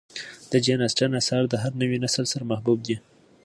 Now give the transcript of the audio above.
د جین اسټن آثار د هر نوي نسل سره محبوب دي.